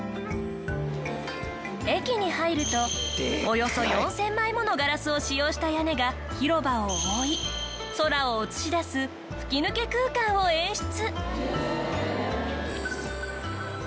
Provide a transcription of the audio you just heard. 駅に入るとおよそ４０００枚ものガラスを使用した屋根が広場を覆い空を映し出す吹き抜け空間を演出。